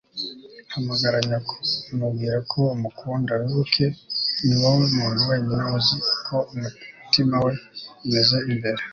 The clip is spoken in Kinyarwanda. hamagara nyoko. mubwire ko umukunda. wibuke, ni wowe muntu wenyine uzi uko umutima we umeze imbere